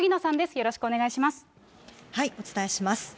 よろしくお伝えします。